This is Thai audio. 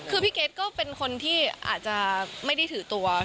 คือพี่เกรทก็เป็นคนที่อาจจะไม่ได้ถือตัว